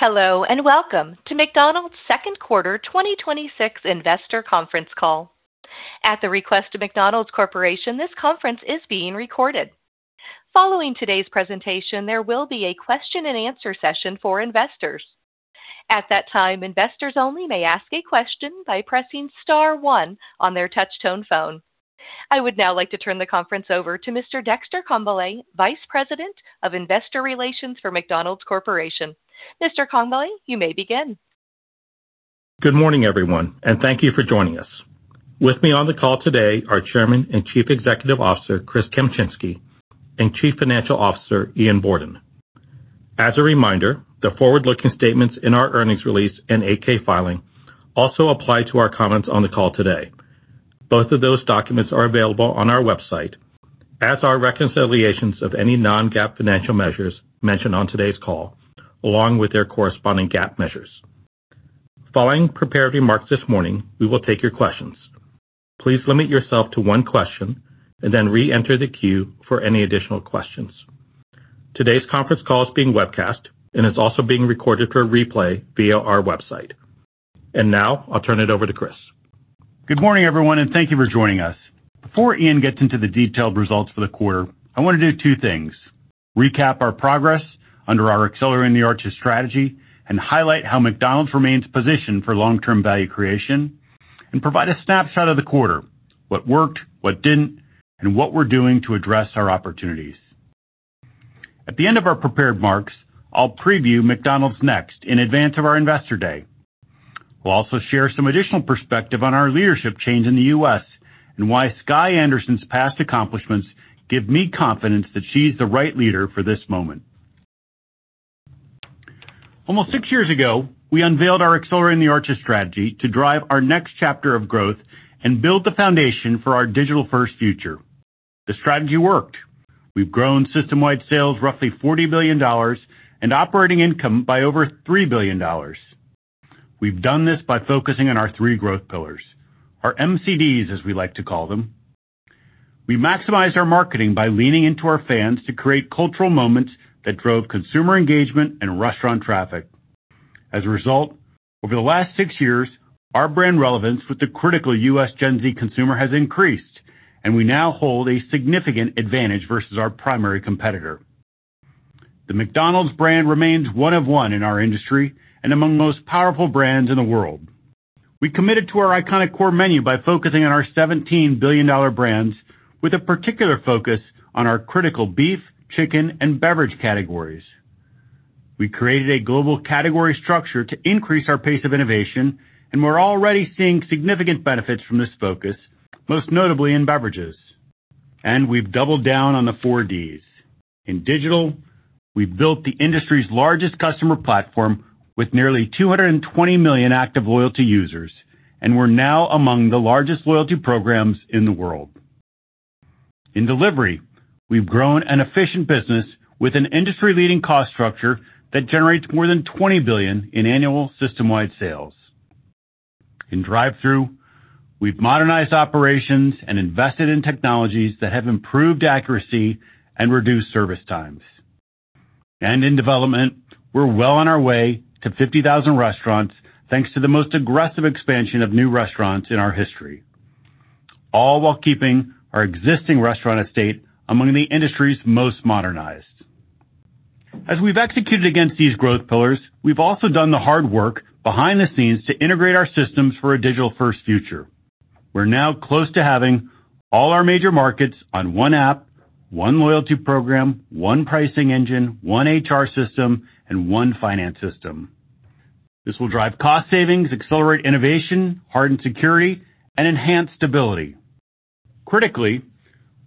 Hello, welcome to McDonald's second quarter 2026 investor conference call. At the request of McDonald's Corporation, this conference is being recorded. Following today's presentation, there will be a question and answer session for investors. At that time, investors only may ask a question by pressing star one on their touch-tone phone. I would now like to turn the conference over to Mr. Dexter Congbalay, Vice President of Investor Relations for McDonald's Corporation. Mr. Congbalay, you may begin. Good morning, everyone, thank you for joining us. With me on the call today are Chairman and Chief Executive Officer, Chris Kempczinski, and Chief Financial Officer, Ian Borden. As a reminder, the forward-looking statements in our earnings release and 8-K filing also apply to our comments on the call today. Both of those documents are available on our website, as are reconciliations of any non-GAAP financial measures mentioned on today's call, along with their corresponding GAAP measures. Following prepared remarks this morning, we will take your questions. Please limit yourself to one question and then reenter the queue for any additional questions. Today's conference call is being webcast and is also being recorded for replay via our website. Now I'll turn it over to Chris. Good morning, everyone, thank you for joining us. Before Ian gets into the detailed results for the quarter, I want to do two things: recap our progress under our Accelerating the Arches strategy and highlight how McDonald's remains positioned for long-term value creation, provide a snapshot of the quarter, what worked, what didn't, and what we're doing to address our opportunities. At the end of our prepared remarks, I'll preview McDonald's > NEXT in advance of our Investor Day. We'll also share some additional perspective on our leadership change in the U.S. and why Skye Anderson's past accomplishments give me confidence that she's the right leader for this moment. Almost six years ago, we unveiled our Accelerating the Arches strategy to drive our next chapter of growth and build the foundation for our digital-first future. The strategy worked. We've grown systemwide sales roughly $40 billion and operating income by over $3 billion. We've done this by focusing on our three growth pillars, our MCDs, as we like to call them. We maximized our marketing by leaning into our fans to create cultural moments that drove consumer engagement and restaurant traffic. As a result, over the last six years, our brand relevance with the critical U.S. Gen Z consumer has increased, we now hold a significant advantage versus our primary competitor. The McDonald's brand remains one of one in our industry and among the most powerful brands in the world. We committed to our iconic core menu by focusing on our $17 billion brands with a particular focus on our critical beef, chicken, and beverage categories. We created a global category structure to increase our pace of innovation. We're already seeing significant benefits from this focus, most notably in beverages. We've doubled down on the four Ds. In digital, we've built the industry's largest customer platform with nearly 220 million active loyalty users, and we're now among the largest loyalty programs in the world. In delivery, we've grown an efficient business with an industry-leading cost structure that generates more than $20 billion in annual systemwide sales. In drive-thru, we've modernized operations and invested in technologies that have improved accuracy and reduced service times. In development, we're well on our way to 50,000 restaurants, thanks to the most aggressive expansion of new restaurants in our history, all while keeping our existing restaurant estate among the industry's most modernized. As we've executed against these growth pillars, we've also done the hard work behind the scenes to integrate our systems for a digital-first future. We're now close to having all our major markets on one app, one loyalty program, one pricing engine, one HR system, and one finance system. This will drive cost savings, accelerate innovation, harden security, and enhance stability. Critically,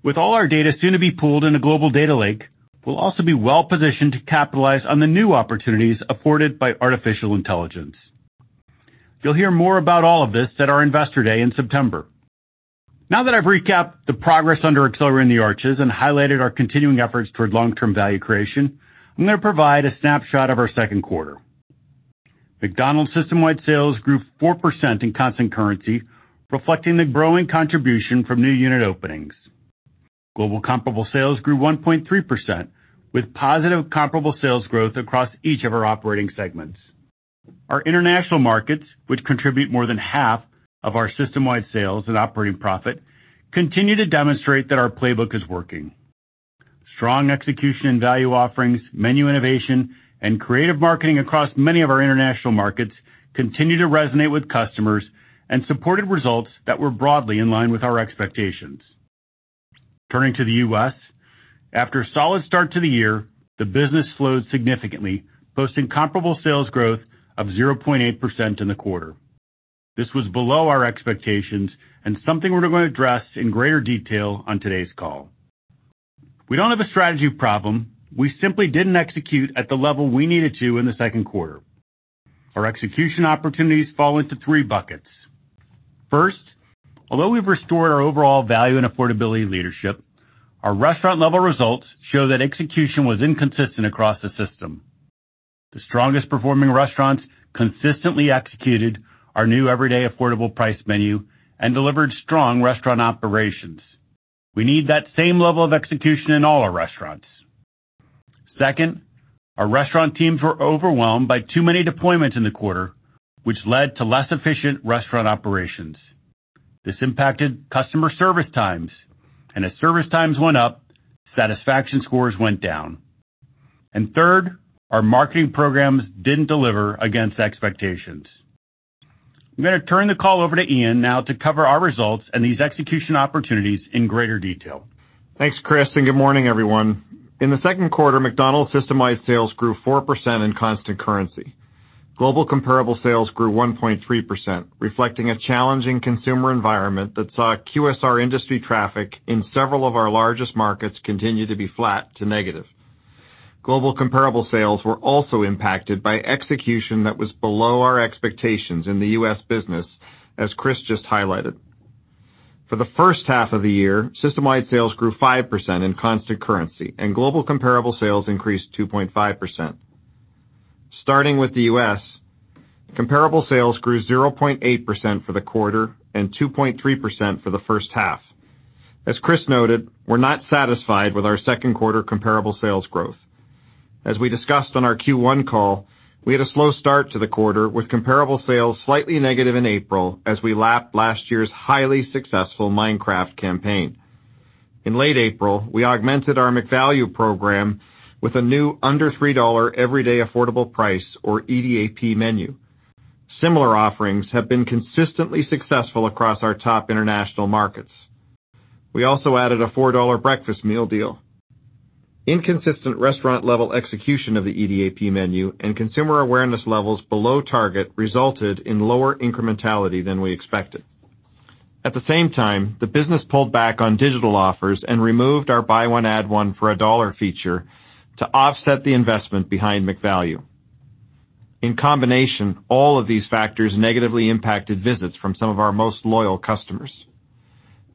with all our data soon to be pooled in a global data lake, we'll also be well-positioned to capitalize on the new opportunities afforded by artificial intelligence. You'll hear more about all of this at our Investor Day in September. Now that I've recapped the progress under Accelerating the Arches and highlighted our continuing efforts toward long-term value creation, I'm going to provide a snapshot of our second quarter. McDonald's systemwide sales grew 4% in constant currency, reflecting the growing contribution from new unit openings. Global comparable sales grew 1.3% with positive comparable sales growth across each of our operating segments. Our international markets, which contribute more than half of our systemwide sales and operating profit, continue to demonstrate that our playbook is working. Strong execution and value offerings, menu innovation, and creative marketing across many of our international markets continue to resonate with customers and supported results that were broadly in line with our expectations. Turning to the U.S., after a solid start to the year, the business slowed significantly, posting comparable sales growth of 0.8% in the quarter. This was below our expectations and something we're going to address in greater detail on today's call. We don't have a strategy problem. We simply didn't execute at the level we needed to in the second quarter. Our execution opportunities fall into three buckets. First, although we've restored our overall value and affordability leadership, our restaurant-level results show that execution was inconsistent across the system. The strongest performing restaurants consistently executed our new everyday affordable price menu and delivered strong restaurant operations. We need that same level of execution in all our restaurants. Second, our restaurant teams were overwhelmed by too many deployments in the quarter, which led to less efficient restaurant operations. This impacted customer service times, and as service times went up, satisfaction scores went down. Third, our marketing programs didn't deliver against expectations. I'm going to turn the call over to Ian now to cover our results and these execution opportunities in greater detail. Thanks, Chris, and good morning, everyone. In the second quarter, McDonald's systemwide sales grew 4% in constant currency. Global comparable sales grew 1.3%, reflecting a challenging consumer environment that saw QSR industry traffic in several of our largest markets continue to be flat to negative. Global comparable sales were also impacted by execution that was below our expectations in the U.S. business, as Chris just highlighted. For the first half of the year, systemwide sales grew 5% in constant currency, and global comparable sales increased 2.5%. Starting with the U.S., comparable sales grew 0.8% for the quarter and 2.3% for the first half. As Chris noted, we're not satisfied with our second quarter comparable sales growth. As we discussed on our Q1 call, we had a slow start to the quarter with comparable sales slightly negative in April as we lapped last year's highly successful Minecraft campaign. In late April, we augmented our McValue program with a new under $3 everyday affordable price, or EDAP menu. Similar offerings have been consistently successful across our top international markets. We also added a $4 breakfast meal deal. Inconsistent restaurant-level execution of the EDAP menu and consumer awareness levels below target resulted in lower incrementality than we expected. At the same time, the business pulled back on digital offers and removed our Buy One, Add One for $1 feature to offset the investment behind McValue. In combination, all of these factors negatively impacted visits from some of our most loyal customers.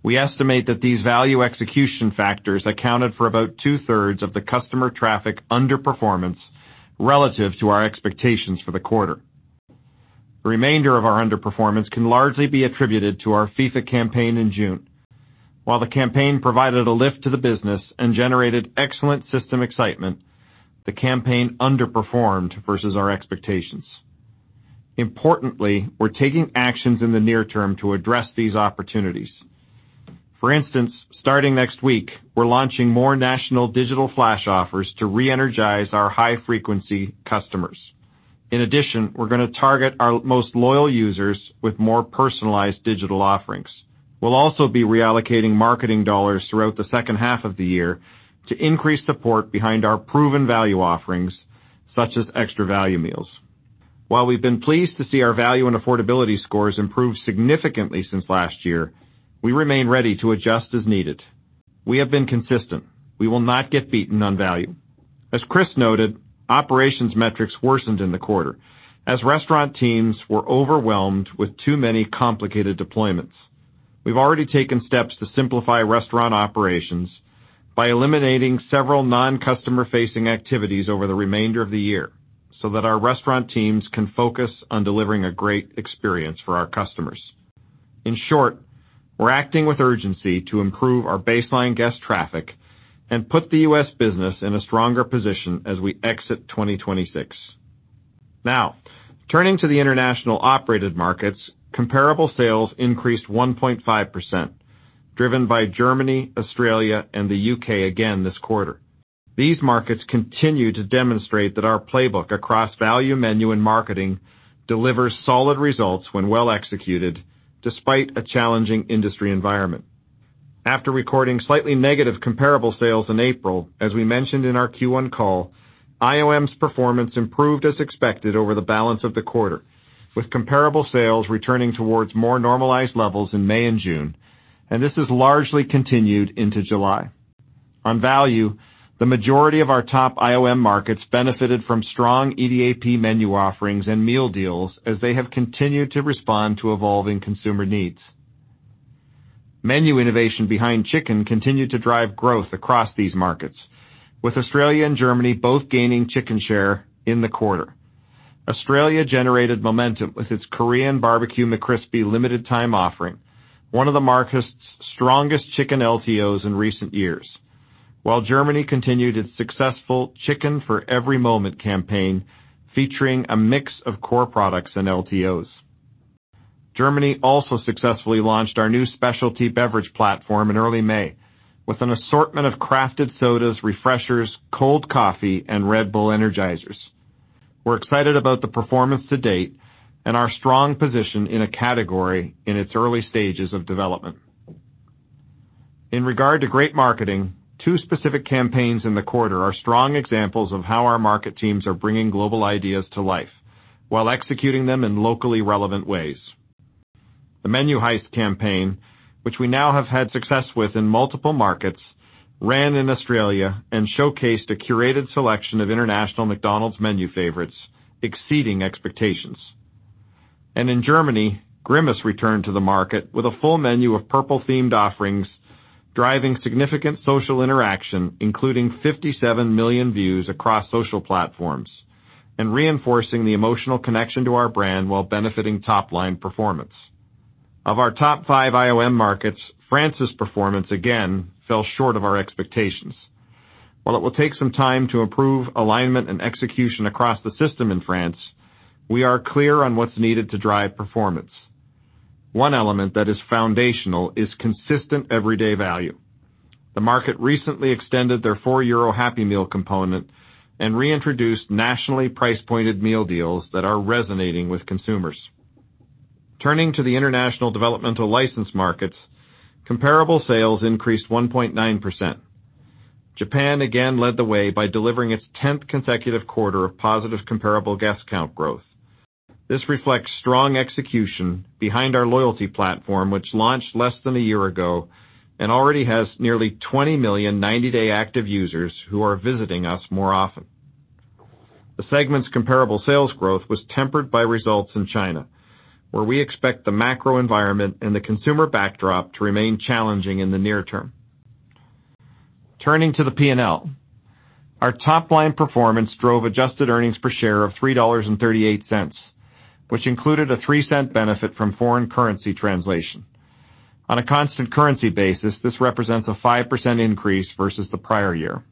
We estimate that these value execution factors accounted for about two-thirds of the customer traffic underperformance relative to our expectations for the quarter. The remainder of our underperformance can largely be attributed to our FIFA campaign in June. While the campaign provided a lift to the business and generated excellent system excitement, the campaign underperformed versus our expectations. Importantly, we're taking actions in the near term to address these opportunities. For instance, starting next week, we're launching more national digital flash offers to re-energize our high-frequency customers. In addition, we're going to target our most loyal users with more personalized digital offerings. We'll also be reallocating marketing dollars throughout the second half of the year to increase support behind our proven value offerings, such as Extra Value Meals. While we've been pleased to see our value and affordability scores improve significantly since last year, we remain ready to adjust as needed. We have been consistent. We will not get beaten on value. As Chris noted, operations metrics worsened in the quarter as restaurant teams were overwhelmed with too many complicated deployments. We've already taken steps to simplify restaurant operations by eliminating several non-customer facing activities over the remainder of the year so that our restaurant teams can focus on delivering a great experience for our customers. In short, we're acting with urgency to improve our baseline guest traffic and put the U.S. business in a stronger position as we exit 2026. Turning to the International Operated Markets, comparable sales increased 1.5%, driven by Germany, Australia, and the U.K. again this quarter. These markets continue to demonstrate that our playbook across value menu and marketing delivers solid results when well executed despite a challenging industry environment. After recording slightly negative comparable sales in April, as we mentioned in our Q1 call, IOM's performance improved as expected over the balance of the quarter, with comparable sales returning towards more normalized levels in May and June, and this has largely continued into July. On value, the majority of our top IOM markets benefited from strong EDAP menu offerings and meal deals as they have continued to respond to evolving consumer needs. Menu innovation behind chicken continued to drive growth across these markets, with Australia and Germany both gaining chicken share in the quarter. Australia generated momentum with its Korean Barbecue McCrispy LTO, one of the market's strongest chicken LTOs in recent years. Germany continued its successful Chicken for Every Moment campaign, featuring a mix of core products and LTOs. Germany also successfully launched our new specialty beverage platform in early May with an assortment of crafted sodas, refreshers, cold coffee, and Red Bull Energizers. We're excited about the performance to date and our strong position in a category in its early stages of development. In regard to great marketing, two specific campaigns in the quarter are strong examples of how our market teams are bringing global ideas to life while executing them in locally relevant ways. The Menu Heist campaign, which we now have had success with in multiple markets, ran in Australia and showcased a curated selection of international McDonald's menu favorites, exceeding expectations. In Germany, Grimace returned to the market with a full menu of purple-themed offerings, driving significant social interaction, including 57 million views across social platforms. Reinforcing the emotional connection to our brand while benefiting top-line performance. Of our top five IOM markets, France's performance again fell short of our expectations. While it will take some time to improve alignment and execution across the system in France, we are clear on what's needed to drive performance. One element that is foundational is consistent everyday value. The market recently extended their EUR 4 Happy Meal component and reintroduced nationally price-pointed meal deals that are resonating with consumers. Turning to the international developmental licensed markets, comparable sales increased 1.9%. Japan again led the way by delivering its 10th consecutive quarter of positive comparable guest count growth. This reflects strong execution behind our loyalty platform, which launched less than a year ago and already has nearly 20 million 90-day active users who are visiting us more often. The segment's comparable sales growth was tempered by results in China, where we expect the macro environment and the consumer backdrop to remain challenging in the near term. Turning to the P&L. Our top-line performance drove adjusted earnings per share of $3.38, which included a $0.03 benefit from foreign currency translation. On a constant currency basis, this represents a 5% increase versus the prior year.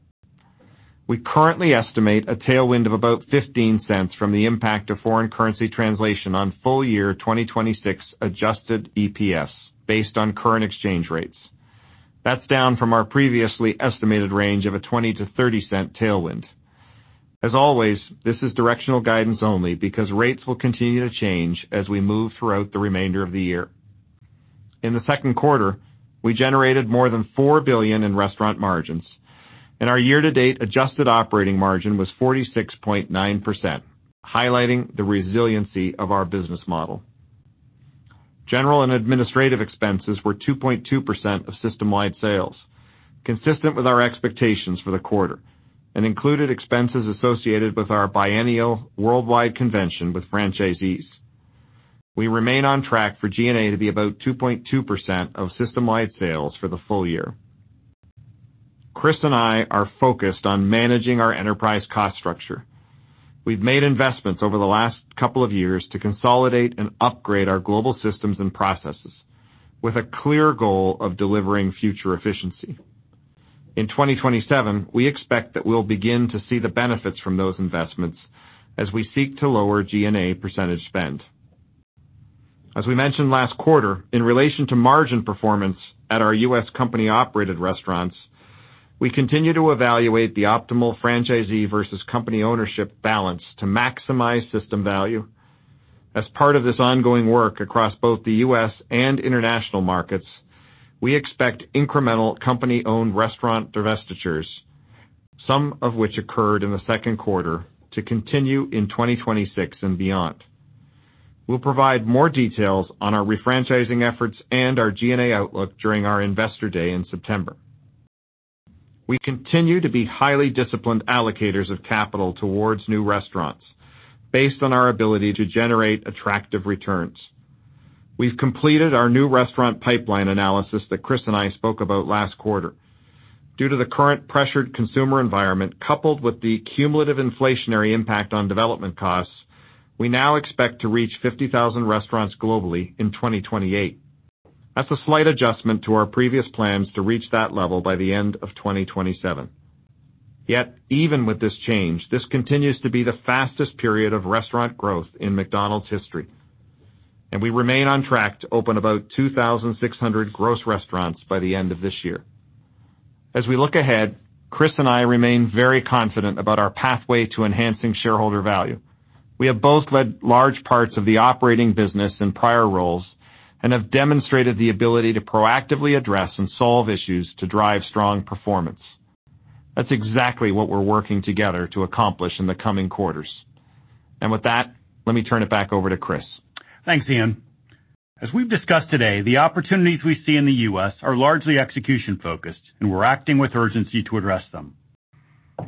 We currently estimate a tailwind of about $0.15 from the impact of foreign currency translation on full year 2026 adjusted EPS, based on current exchange rates. That's down from our previously estimated range of a $0.20-$0.30 tailwind. As always, this is directional guidance only because rates will continue to change as we move throughout the remainder of the year. In the second quarter, we generated more than $4 billion in restaurant margins, and our year-to-date adjusted operating margin was 46.9%, highlighting the resiliency of our business model. General and administrative expenses were 2.2% of systemwide sales, consistent with our expectations for the quarter, and included expenses associated with our biennial worldwide convention with franchisees. We remain on track for G&A to be about 2.2% of systemwide sales for the full year. Chris and I are focused on managing our enterprise cost structure. We've made investments over the last couple of years to consolidate and upgrade our global systems and processes with a clear goal of delivering future efficiency. In 2027, we expect that we'll begin to see the benefits from those investments as we seek to lower G&A % spend. As we mentioned last quarter, in relation to margin performance at our U.S. company-operated restaurants, we continue to evaluate the optimal franchisee versus company ownership balance to maximize system value. As part of this ongoing work across both the U.S. and international markets, we expect incremental company-owned restaurant divestitures, some of which occurred in the second quarter, to continue in 2026 and beyond. We'll provide more details on our refranchising efforts and our G&A outlook during our Investor Day in September. We continue to be highly disciplined allocators of capital towards new restaurants based on our ability to generate attractive returns. We've completed our new restaurant pipeline analysis that Chris and I spoke about last quarter. Due to the current pressured consumer environment, coupled with the cumulative inflationary impact on development costs, we now expect to reach 50,000 restaurants globally in 2028. That's a slight adjustment to our previous plans to reach that level by the end of 2027. Even with this change, this continues to be the fastest period of restaurant growth in McDonald's history, we remain on track to open about 2,600 gross restaurants by the end of this year. As we look ahead, Chris and I remain very confident about our pathway to enhancing shareholder value. We have both led large parts of the operating business in prior roles and have demonstrated the ability to proactively address and solve issues to drive strong performance. That's exactly what we're working together to accomplish in the coming quarters. With that, let me turn it back over to Chris. Thanks, Ian. As we've discussed today, the opportunities we see in the U.S. are largely execution-focused, we're acting with urgency to address them.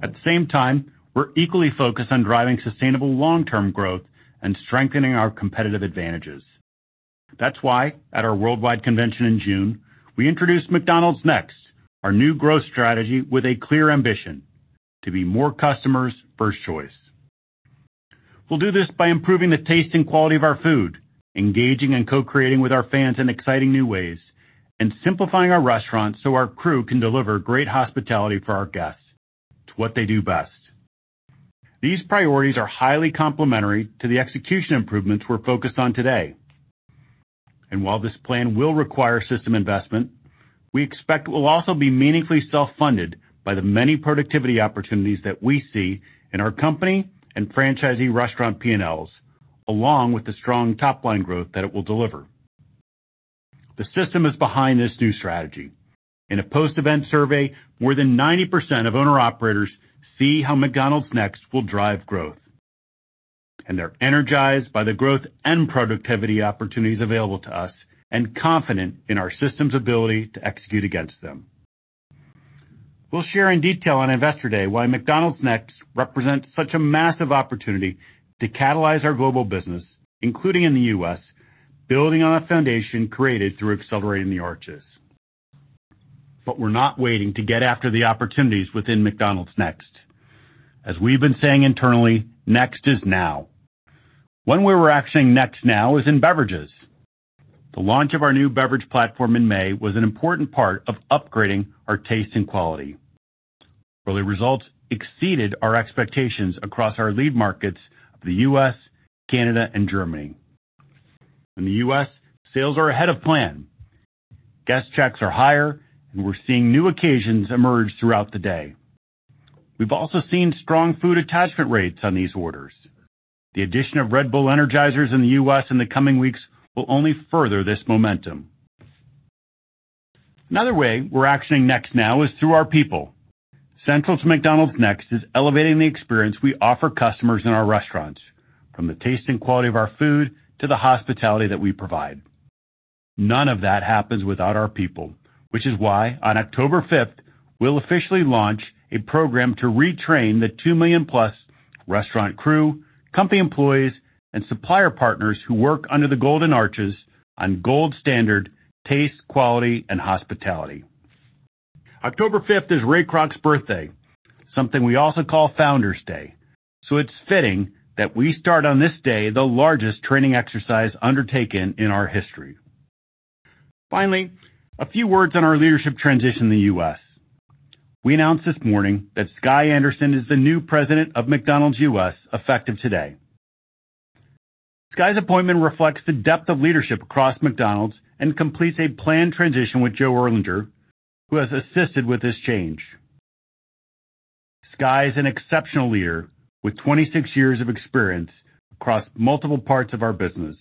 At the same time, we're equally focused on driving sustainable long-term growth and strengthening our competitive advantages. That's why at our worldwide convention in June, we introduced McDonald's > NEXT, our new growth strategy with a clear ambition: to be more customers' first choice. We'll do this by improving the taste and quality of our food, engaging and co-creating with our fans in exciting new ways, simplifying our restaurants so our crew can deliver great hospitality for our guests. It's what they do best. These priorities are highly complementary to the execution improvements we're focused on today. While this plan will require system investment, we expect it will also be meaningfully self-funded by the many productivity opportunities that we see in our company and franchisee restaurant P&Ls, along with the strong top-line growth that it will deliver. The system is behind this new strategy. In a post-event survey, more than 90% of owner-operators see how McDonald's Next will drive growth, and they're energized by the growth and productivity opportunities available to us and confident in our system's ability to execute against them. We'll share in detail on Investor Day why McDonald's Next represents such a massive opportunity to catalyze our global business, including in the U.S., building on a foundation created through Accelerating the Arches. We're not waiting to get after the opportunities within McDonald's Next. As we've been saying internally, Next is now. One way we're actioning Next now is in beverages. The launch of our new beverage platform in May was an important part of upgrading our taste and quality. Early results exceeded our expectations across our lead markets of the U.S., Canada, and Germany. In the U.S., sales are ahead of plan. Guest checks are higher, and we're seeing new occasions emerge throughout the day. We've also seen strong food attachment rates on these orders. The addition of Red Bull Energizers in the U.S. in the coming weeks will only further this momentum. Another way we're actioning Next now is through our people. Central to McDonald's Next is elevating the experience we offer customers in our restaurants, from the taste and quality of our food to the hospitality that we provide. None of that happens without our people, which is why on October fifth, we'll officially launch a program to retrain the 2 million+ restaurant crew, company employees, and supplier partners who work under the Golden Arches on gold standard taste, quality, and hospitality. October fifth is Ray Kroc's birthday, something we also call Founder's Day. It's fitting that we start on this day the largest training exercise undertaken in our history. Finally, a few words on our leadership transition in the U.S. We announced this morning that Skye Anderson is the new President of McDonald's U.S., effective today. Skye's appointment reflects the depth of leadership across McDonald's and completes a planned transition with Joe Erlinger, who has assisted with this change. Skye is an exceptional leader with 26 years of experience across multiple parts of our business,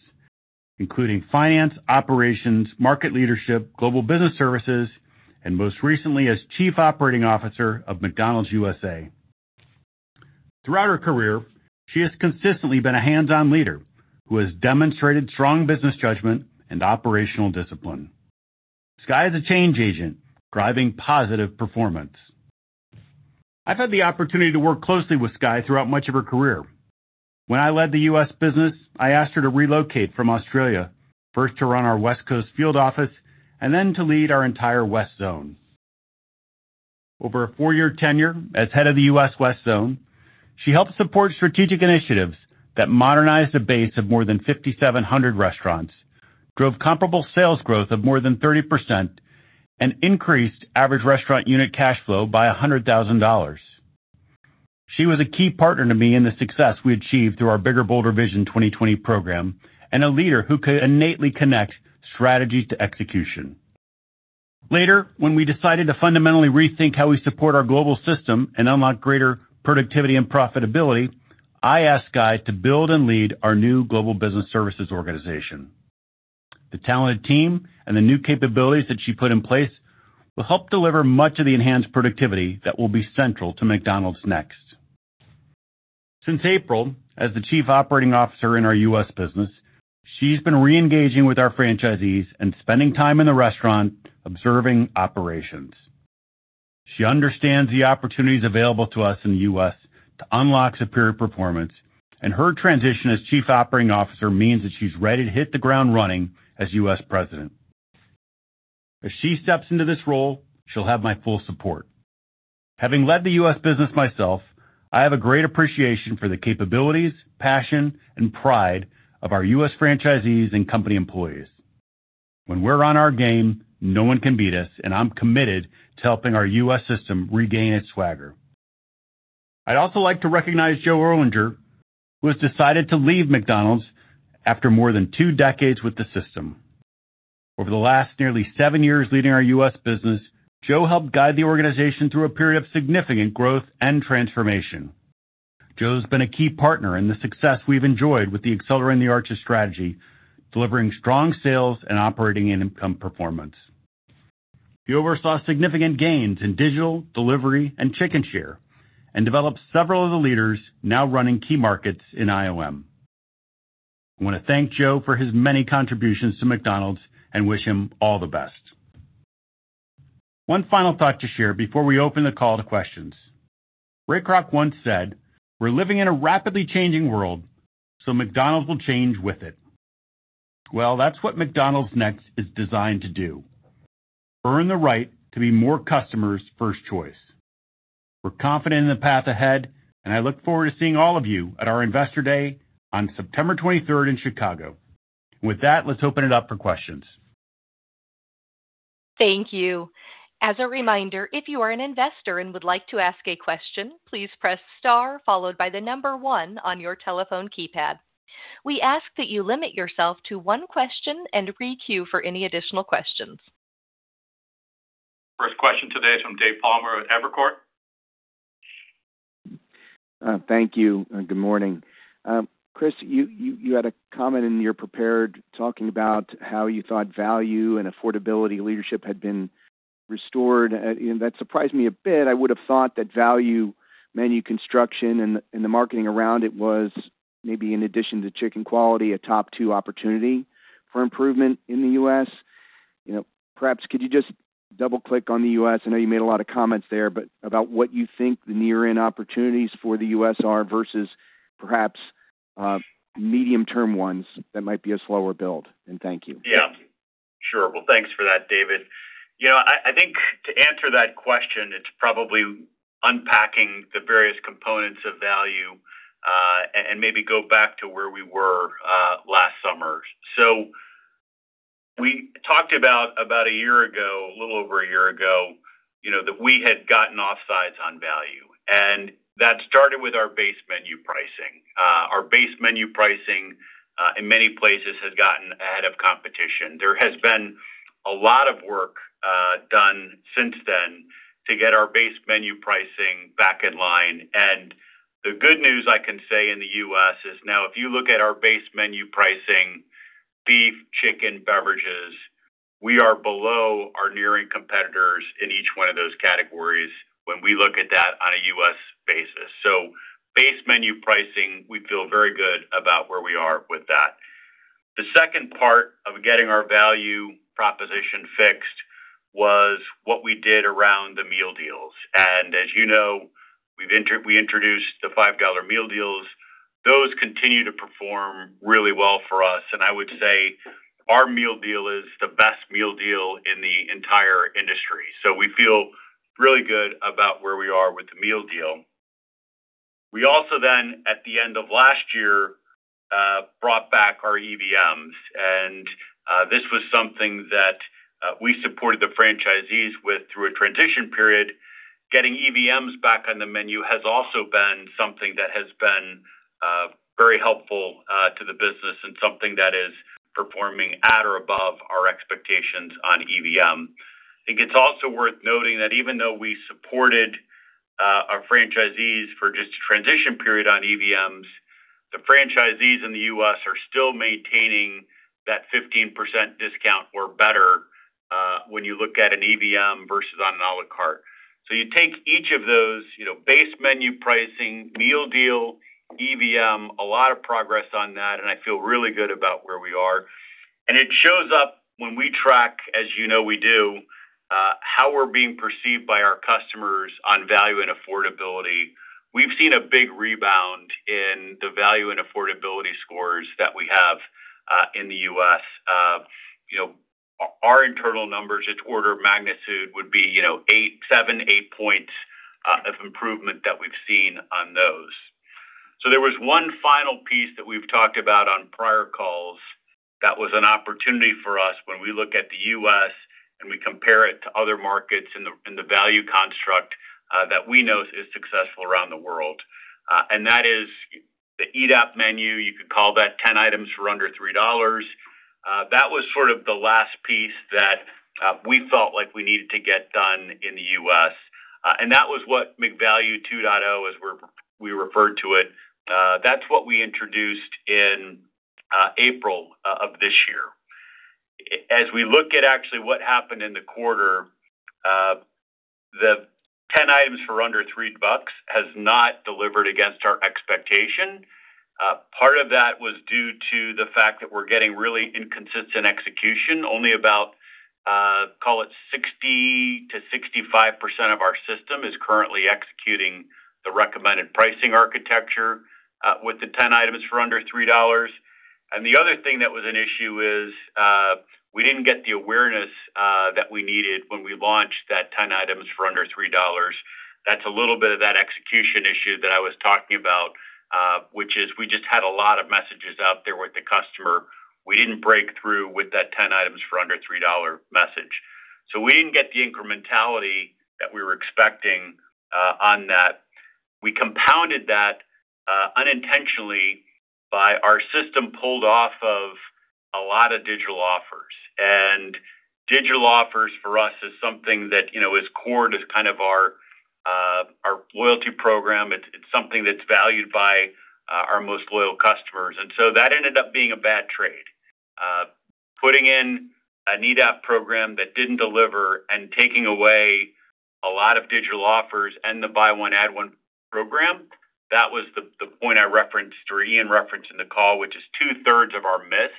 including finance, operations, market leadership, global business services, and most recently as Chief Operating Officer of McDonald's USA. Throughout her career, she has consistently been a hands-on leader who has demonstrated strong business judgment and operational discipline. Skye is a change agent driving positive performance. I've had the opportunity to work closely with Skye throughout much of her career. When I led the U.S. business, I asked her to relocate from Australia, first to run our West Coast field office and then to lead our entire West zone. Over a four-year tenure as head of the U.S. West zone, she helped support strategic initiatives that modernized a base of more than 5,700 restaurants, drove comparable sales growth of more than 30%, and increased average restaurant unit cash flow by $100,000. She was a key partner to me in the success we achieved through our Bigger Bolder Vision 2020 program and a leader who could innately connect strategy to execution. Later, when we decided to fundamentally rethink how we support our global system and unlock greater productivity and profitability, I asked Skye to build and lead our new global business services organization. The talented team and the new capabilities that she put in place will help deliver much of the enhanced productivity that will be central to McDonald's Next. Since April, as the Chief Operating Officer in our U.S. business, she's been re-engaging with our franchisees and spending time in the restaurant observing operations. She understands the opportunities available to us in the U.S. to unlock superior performance, and her transition as Chief Operating Officer means that she's ready to hit the ground running as U.S. President. As she steps into this role, she'll have my full support. Having led the U.S. business myself, I have a great appreciation for the capabilities, passion, and pride of our U.S. franchisees and company employees. When we're on our game, no one can beat us, and I'm committed to helping our U.S. system regain its swagger. I'd also like to recognize Joe Erlinger, who has decided to leave McDonald's after more than two decades with the system. Over the last nearly seven years leading our U.S. business, Joe helped guide the organization through a period of significant growth and transformation. Joe has been a key partner in the success we've enjoyed with the Accelerating the Arches strategy, delivering strong sales and operating income performance. He oversaw significant gains in digital, delivery, and chicken share and developed several of the leaders now running key markets in IOM. I want to thank Joe for his many contributions to McDonald's and wish him all the best. One final thought to share before we open the call to questions. Ray Kroc once said, "We're living in a rapidly changing world, so McDonald's will change with it." That's what McDonald's Next is designed to do. Earn the right to be more customers' first choice. We're confident in the path ahead. I look forward to seeing all of you at our Investor Day on September 23rd in Chicago. With that, let's open it up for questions. Thank you. As a reminder, if you are an investor and would like to ask a question, please press star followed by the number one on your telephone keypad. We ask that you limit yourself to one question and re-queue for any additional questions. First question today is from David Palmer at Evercore. Thank you, and good morning. Chris, you had a comment in your prepared talking about how you thought value and affordability leadership had been restored. That surprised me a bit. I would have thought that value menu construction and the marketing around it was maybe in addition to chicken quality, a top two opportunity for improvement in the U.S. Perhaps could you just double-click on the U.S.? I know you made a lot of comments there, but about what you think the near-in opportunities for the U.S. are versus perhaps Medium-term ones that might be a slower build, and thank you. Yeah. Sure. Well, thanks for that, David. I think to answer that question, it's probably unpacking the various components of value, maybe go back to where we were last summer. We talked about a little over a year ago, that we had gotten offsides on value. That started with our base menu pricing. Our base menu pricing, in many places, has gotten ahead of competition. There has been a lot of work done since then to get our base menu pricing back in line. The good news I can say in the U.S. is now if you look at our base menu pricing, beef, chicken, beverages, we are below our nearing competitors in each one of those categories when we look at that on a U.S. basis. Base menu pricing, we feel very good about where we are with that. The second part of getting our value proposition fixed was what we did around the meal deals. As you know, we introduced the $5 meal deals. Those continue to perform really well for us, and I would say our meal deal is the best meal deal in the entire industry. We feel really good about where we are with the meal deal. We also then, at the end of last year, brought back our EVMs. This was something that we supported the franchisees with through a transition period. Getting EVMs back on the menu has also been something that has been very helpful to the business and something that is performing at or above our expectations on EVM. I think it's also worth noting that even though we supported our franchisees for just a transition period on EVMs, the franchisees in the U.S. are still maintaining that 15% discount or better, when you look at an EVM versus on an à la carte. You take each of those, base menu pricing, meal deal, EVM, a lot of progress on that, and I feel really good about where we are. It shows up when we track, as you know we do, how we're being perceived by our customers on value and affordability. We've seen a big rebound in the value and affordability scores that we have in the U.S. Our internal numbers, its order of magnitude would be seven, eight points of improvement that we've seen on those. There was one final piece that we've talked about on prior calls that was an opportunity for us when we look at the U.S. and we compare it to other markets in the value construct that we know is successful around the world. That is the eat-out menu. You could call that 10 items for under $3. That was sort of the last piece that we felt like we needed to get done in the U.S. That was what McValue 2.0, as we referred to it, that's what we introduced in April of this year. As we look at actually what happened in the quarter, the 10 items for under three bucks has not delivered against our expectation. Part of that was due to the fact that we're getting really inconsistent execution. Only about, call it 60%-65% of our system is currently executing the recommended pricing architecture with the 10 items for under $3. The other thing that was an issue is, we didn't get the awareness that we needed when we launched that 10 items for under $3. That's a little bit of that execution issue that I was talking about, which is we just had a lot of messages out there with the customer. We didn't break through with that 10 items for under $3 message. We didn't get the incrementality that we were expecting on that. We compounded that unintentionally by our system pulled off of a lot of digital offers. Digital offers for us is something that is core to kind of our loyalty program. It's something that's valued by our most loyal customers. That ended up being a bad trade. Putting in an eat-out program that didn't deliver and taking away a lot of digital offers and the Buy One, Add One program, that was the point I referenced, or Ian referenced in the call, which is 2/3 of our miss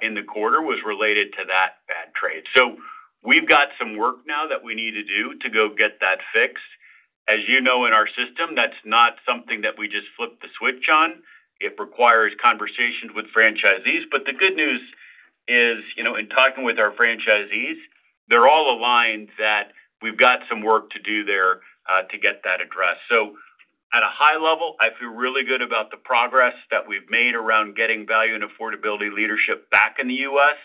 in the quarter was related to that bad trade. We've got some work now that we need to do to go get that fixed. As you know, in our system, that's not something that we just flip the switch on. It requires conversations with franchisees. The good news is, in talking with our franchisees, they're all aligned that we've got some work to do there, to get that addressed. At a high level, I feel really good about the progress that we've made around getting value and affordability leadership back in the U.S.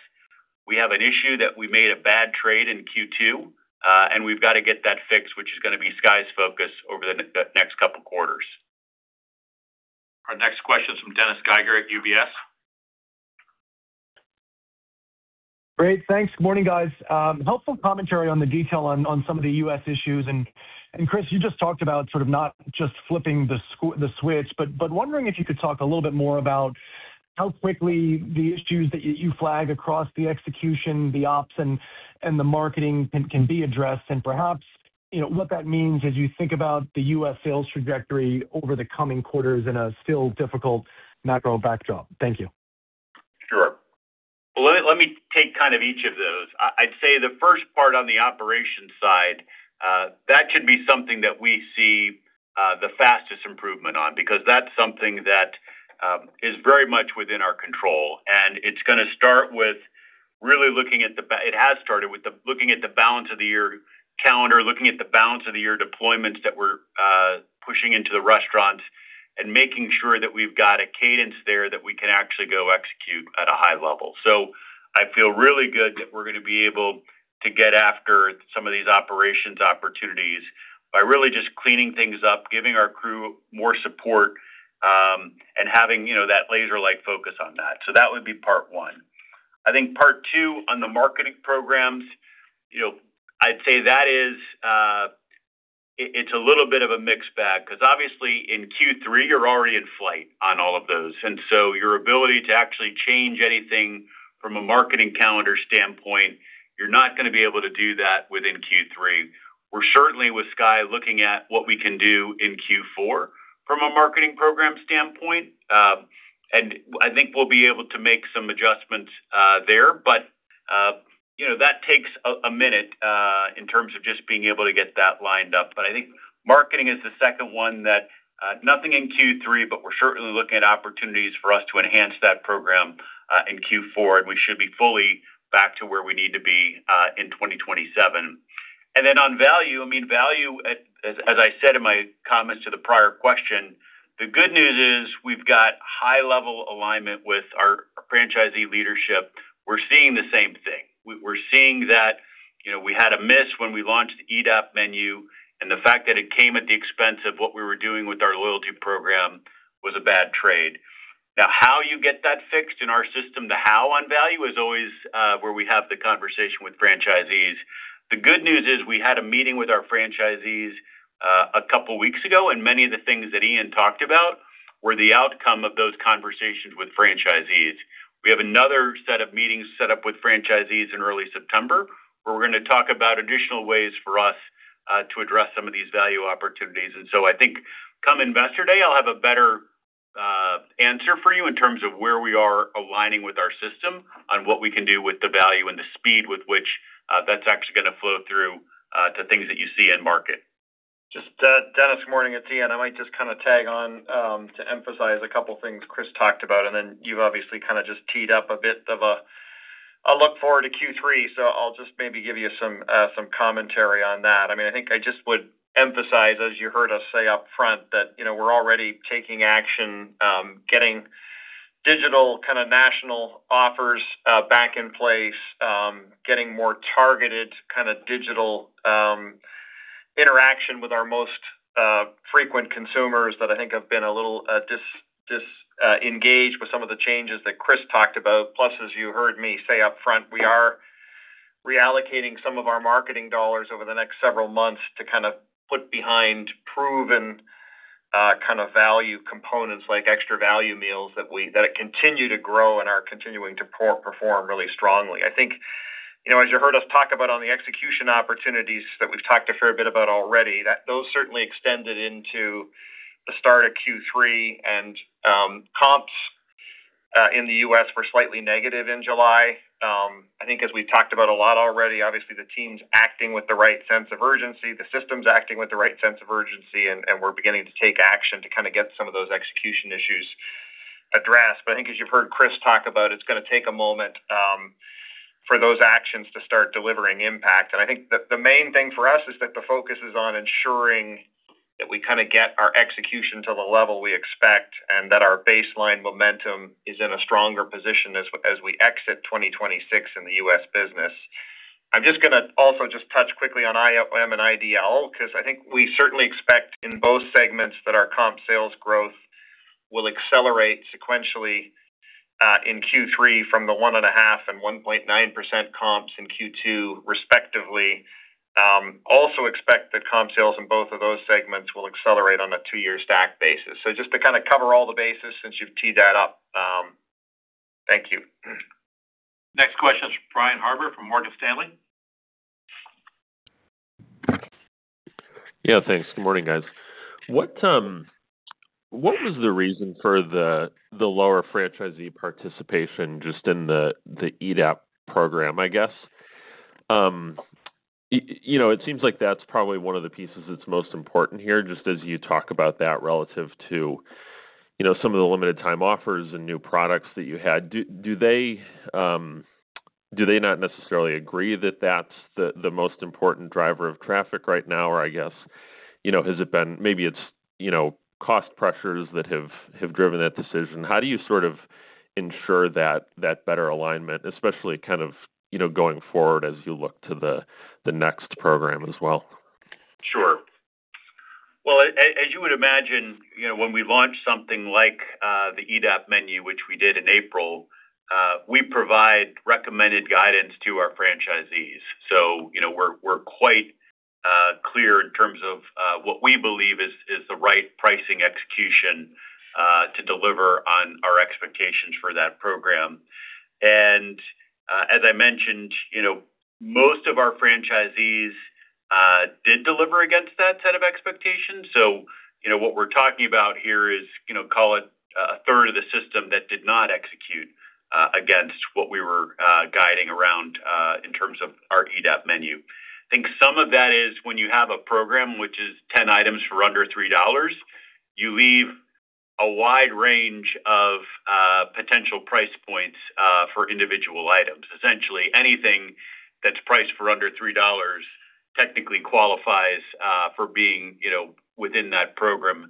We have an issue that we made a bad trade in Q2, and we've got to get that fixed, which is going to be Skye's focus over the next couple of quarters. Our next question is from Dennis Geiger at UBS. Great. Thanks. Morning, guys. Helpful commentary on the detail on some of the U.S. issues. Chris, you just talked about sort of not just flipping the switch, but wondering if you could talk a little bit more about how quickly the issues that you flag across the execution, the ops, and the marketing can be addressed and perhaps what that means as you think about the U.S. sales trajectory over the coming quarters in a still difficult macro backdrop. Thank you. Sure. Well, let me take each of those. I'd say the first part on the operations side, that should be something that we see the fastest improvement on, because that's something that is very much within our control. It has started with looking at the balance of the year calendar, looking at the balance of the year deployments that we're pushing into the restaurants, and making sure that we've got a cadence there that we can actually go execute at a high level. I feel really good that we're going to be able to get after some of these operations opportunities by really just cleaning things up, giving our crew more support, and having that laser-like focus on that. That would be part one. I think part two on the marketing programs, I'd say that it's a little bit of a mixed bag, because obviously in Q3, you're already in flight on all of those. Your ability to actually change anything from a marketing calendar standpoint, you're not going to be able to do that within Q3. We're certainly with Skye looking at what we can do in Q4 from a marketing program standpoint. I think we'll be able to make some adjustments there. That takes a minute in terms of just being able to get that lined up. I think marketing is the second one that nothing in Q3, but we're certainly looking at opportunities for us to enhance that program in Q4, and we should be fully back to where we need to be in 2027. On value, as I said in my comments to the prior question, the good news is we've got high level alignment with our franchisee leadership. We're seeing the same thing. We're seeing that we had a miss when we launched the EDAP menu, and the fact that it came at the expense of what we were doing with our loyalty program was a bad trade. How you get that fixed in our system, the how on value is always where we have the conversation with franchisees. The good news is we had a meeting with our franchisees a couple of weeks ago, and many of the things that Ian talked about were the outcome of those conversations with franchisees. We have another set of meetings set up with franchisees in early September, where we're going to talk about additional ways for us to address some of these value opportunities. I think come Investor Day, I'll have a better answer for you in terms of where we are aligning with our system on what we can do with the value and the speed with which that's actually going to flow through to things that you see in market. Dennis, morning. It's Ian. I might just tag on to emphasize a couple of things Chris talked about. You've obviously just teed up a bit of a look forward to Q3. I'll just maybe give you some commentary on that. I would emphasize, as you heard us say up front, that we're already taking action, getting digital national offers back in place, getting more targeted digital interaction with our most frequent consumers that I think have been a little disengaged with some of the changes that Chris talked about. Plus, as you heard me say up front, we are reallocating some of our marketing dollars over the next several months to put behind proven value components like Extra Value Meals that continue to grow and are continuing to perform really strongly. As you heard us talk about on the execution opportunities that we've talked a fair bit about already, those certainly extended into the start of Q3. Comps in the U.S. were slightly negative in July. As we've talked about a lot already, obviously, the team's acting with the right sense of urgency, the system's acting with the right sense of urgency. We're beginning to take action to get some of those execution issues addressed. As you've heard Chris talk about, it's going to take a moment for those actions to start delivering impact. The main thing for us is that the focus is on ensuring that we get our execution to the level we expect and that our baseline momentum is in a stronger position as we exit 2026 in the U.S. business. I'm going to also touch quickly on IOM and IDL. We certainly expect in both segments that our comp sales growth will accelerate sequentially in Q3 from the 1.5% and 1.9% comps in Q2 respectively. Also expect that comp sales in both of those segments will accelerate on a two-year stack basis. Just to cover all the bases since you've teed that up. Thank you. Next question is from Brian Harbour from Morgan Stanley. Thanks. Good morning, guys. What was the reason for the lower franchisee participation just in the EDAP program, I guess? It seems like that's probably one of the pieces that's most important here, just as you talk about that relative to some of the limited time offers and new products that you had. Do they not necessarily agree that that's the most important driver of traffic right now? I guess, maybe it's cost pressures that have driven that decision. How do you sort of ensure that better alignment, especially going forward as you look to the next program as well? Sure. Well, as you would imagine, when we launch something like the EDAP menu, which we did in April, we provide recommended guidance to our franchisees. We're quite clear in terms of what we believe is the right pricing execution to deliver on our expectations for that program. As I mentioned, most of our franchisees Did deliver against that set of expectations. What we’re talking about here is, call it a third of the system that did not execute against what we were guiding around in terms of our EDAP menu. I think some of that is when you have a program which is 10 items for under $3, you leave a wide range of potential price points for individual items. Essentially, anything that's priced for under $3 technically qualifies for being within that program,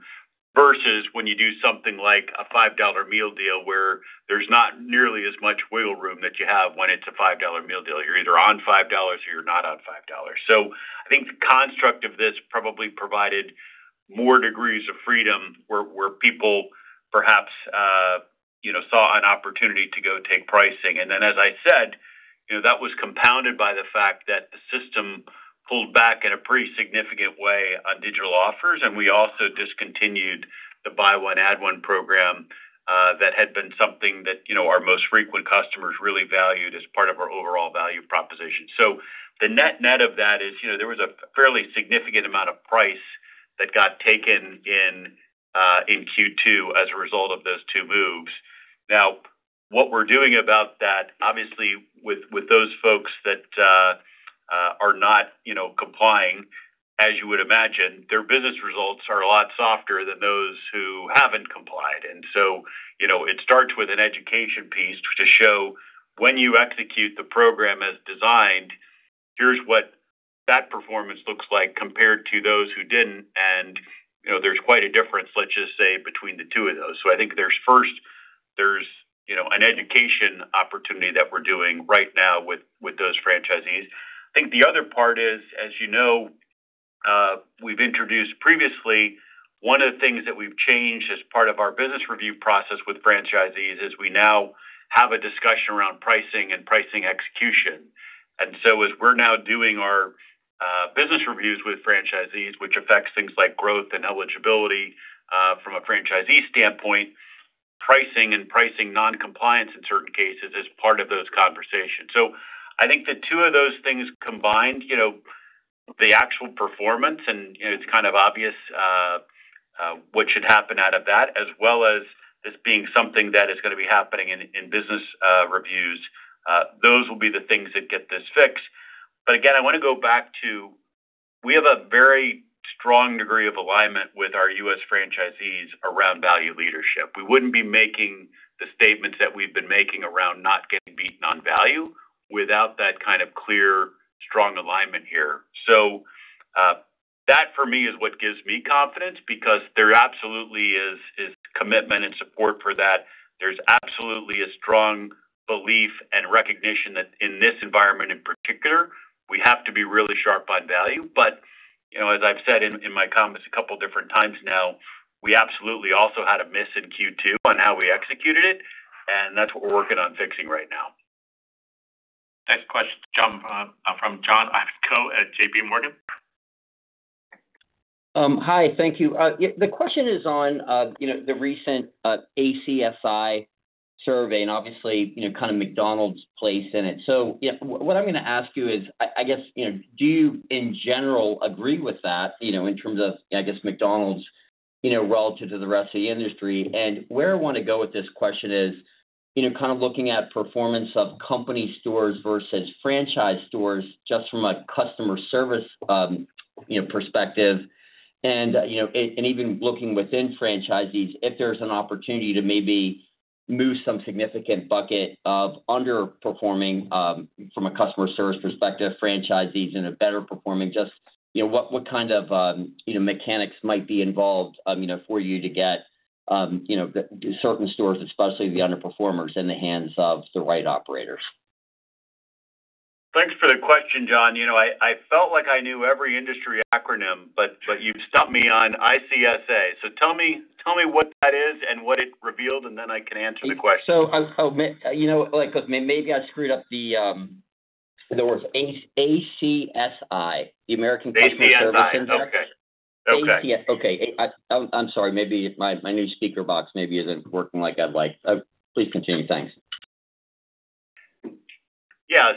versus when you do something like a $5 meal deal where there's not nearly as much wiggle room that you have when it's a $5 meal deal. You're either on $5 or you're not on $5. I think the construct of this probably provided more degrees of freedom where people perhaps saw an opportunity to go take pricing. As I said, that was compounded by the fact that the system pulled back in a pretty significant way on digital offers, and we also discontinued the Buy One, Add One program that had been something that our most frequent customers really valued as part of our overall value proposition. The net of that is there was a fairly significant amount of price that got taken in Q2 as a result of those two moves. Now, what we're doing about that, obviously with those folks that are not complying, as you would imagine, their business results are a lot softer than those who haven't complied. It starts with an education piece to show when you execute the program as designed, here's what that performance looks like compared to those who didn't. There's quite a difference, let's just say, between the two of those. I think there's first, an education opportunity that we're doing right now with those franchisees. I think the other part is, as you know, we've introduced previously, one of the things that we've changed as part of our business review process with franchisees is we now have a discussion around pricing and pricing execution. As we're now doing our business reviews with franchisees, which affects things like growth and eligibility from a franchisee standpoint, pricing and pricing non-compliance in certain cases is part of those conversations. I think the two of those things combined, the actual performance, and it's kind of obvious what should happen out of that, as well as this being something that is going to be happening in business reviews. Those will be the things that get this fixed. Again, I want to go back to, we have a very strong degree of alignment with our U.S. franchisees around value leadership. We wouldn't be making the statements that we've been making around not getting beaten on value without that kind of clear, strong alignment here. That, for me, is what gives me confidence because there absolutely is commitment and support for that. There's absolutely a strong belief and recognition that in this environment in particular, we have to be really sharp on value. As I've said in my comments a couple different times now, we absolutely also had a miss in Q2 on how we executed it, and that's what we're working on fixing right now. Next question from John Ivankoe at JP Morgan. Hi, thank you. The question is on the recent ACSI survey and obviously, kind of McDonald's place in it. What I'm going to ask you is, I guess, do you in general agree with that, in terms of McDonald's relative to the rest of the industry? Where I want to go with this question is kind of looking at performance of company stores versus franchise stores just from a customer service perspective and even looking within franchisees, if there's an opportunity to maybe move some significant bucket of underperforming from a customer service perspective, franchisees and a better performing, just what kind of mechanics might be involved for you to get certain stores, especially the underperformers, in the hands of the right operators? Thanks for the question, John. I felt like I knew every industry acronym, but you stumped me on ICSA. Tell me what that is and what it revealed, then I can answer the question. Maybe I screwed up the words. ACSI, the American Customer Satisfaction Index. ACSI. Okay. Okay. I'm sorry. My new speaker box maybe isn't working like I'd like. Please continue. Thanks. Yeah.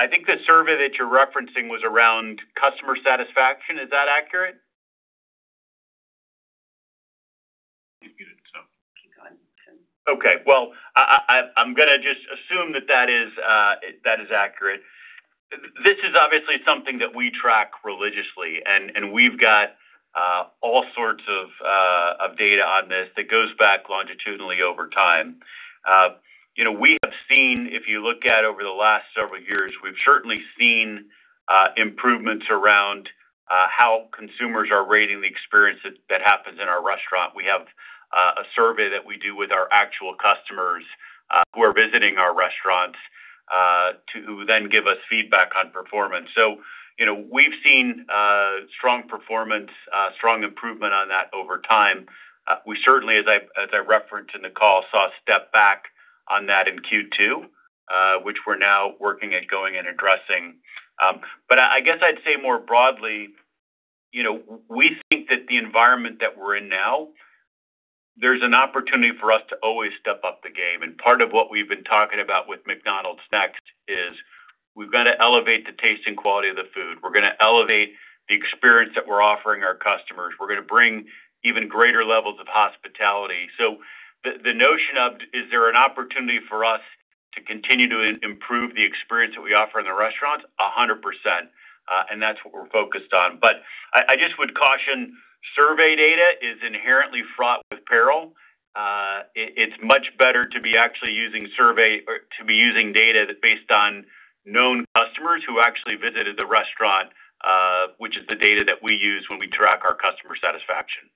I think the survey that you're referencing was around customer satisfaction. Is that accurate? You're muted. Keep going. Okay. Well, I'm going to just assume that is accurate. This is obviously something that we track religiously, and we've got all sorts of data on this that goes back longitudinally over time. We have seen, if you look at over the last several years, we've certainly seen improvements around how consumers are rating the experience that happens in our restaurant. We have a survey that we do with our actual customers who are visiting our restaurants, who then give us feedback on performance. We've seen strong performance, strong improvement on that over time. We certainly, as I referenced in the call, saw a step back on that in Q2, which we're now working at going and addressing. I guess I'd say more broadly, we think that the environment that we're in now There's an opportunity for us to always step up the game, and part of what we've been talking about with McDonald's > NEXT is we've got to elevate the taste and quality of the food. We're going to elevate the experience that we're offering our customers. We're going to bring even greater levels of hospitality. The notion of, is there an opportunity for us to continue to improve the experience that we offer in the restaurants? 100%, and that's what we're focused on. I just would caution, survey data is inherently fraught with peril. It's much better to be actually using data that's based on known customers who actually visited the restaurant, which is the data that we use when we track our customer satisfaction.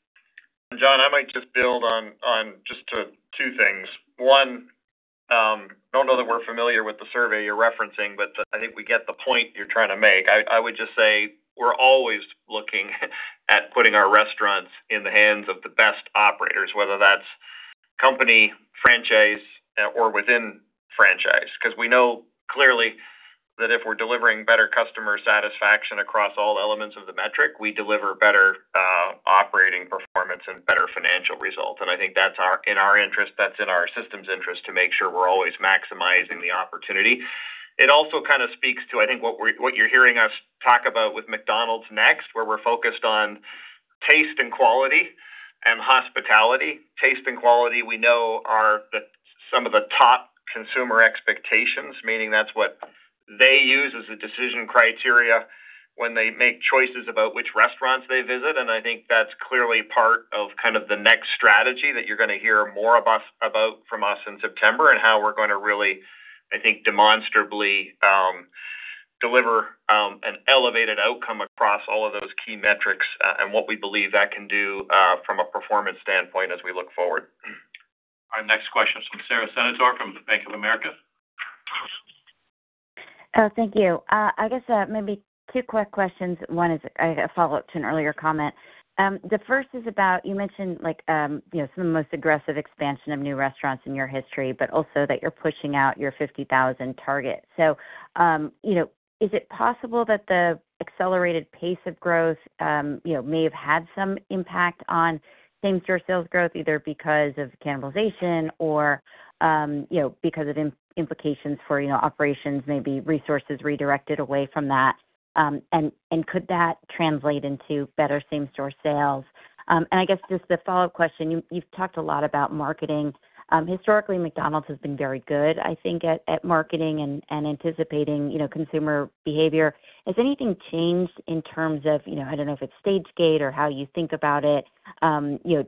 John, I might just build on just two things. One, I don't know that we're familiar with the survey you're referencing, but I think we get the point you're trying to make. I would just say we're always looking at putting our restaurants in the hands of the best operators, whether that's company, franchise, or within franchise. Because we know clearly that if we're delivering better customer satisfaction across all elements of the metric, we deliver better operating performance and better financial results. I think that's in our interest, that's in our system's interest to make sure we're always maximizing the opportunity. It also speaks to, I think, what you're hearing us talk about with McDonald's > NEXT, where we're focused on taste and quality and hospitality. Taste and quality we know are some of the top consumer expectations, meaning that's what they use as a decision criteria when they make choices about which restaurants they visit. I think that's clearly part of the next strategy that you're going to hear more about from us in September and how we're going to really, I think, demonstrably deliver an elevated outcome across all of those key metrics and what we believe that can do from a performance standpoint as we look forward. Our next question is from Sara Senatore from Bank of America. Thank you. I guess maybe two quick questions. One is a follow-up to an earlier comment. The first is about, you mentioned some of the most aggressive expansion of new restaurants in your history, but also that you're pushing out your 50,000 target. Is it possible that the accelerated pace of growth may have had some impact on same-store sales growth, either because of cannibalization or because of implications for operations, maybe resources redirected away from that? Could that translate into better same-store sales? I guess just the follow-up question, you've talked a lot about marketing. Historically, McDonald's has been very good, I think, at marketing and anticipating consumer behavior. Has anything changed in terms of, I don't know if it's stage gate or how you think about it,